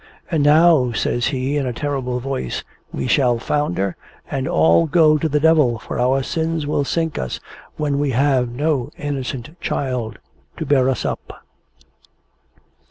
"And now," says he, in a terrible voice, "we shall founder, and all go to the Devil, for our sins will sink us, when we have no innocent child to bear us up!"